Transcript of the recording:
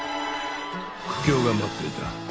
苦境が待っていた。